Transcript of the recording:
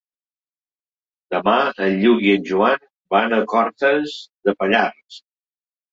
Demà en Lluc i en Joan van a Cortes de Pallars.